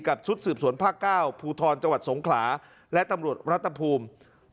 กับชุดสืบสวนภาคเก้าภูทรจสงขลาและตำรวจรัฐภูมิ